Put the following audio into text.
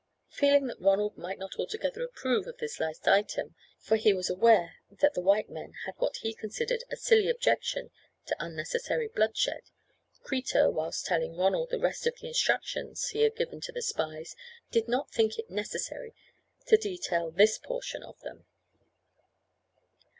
Feeling that Ronald might not altogether approve of this last item, for he was aware that the white men had what he considered a silly objection to unnecessary bloodshed, Kreta, whilst telling Ronald the rest of the instructions he had given to the spies, did not think it necessary to detail this portion of them.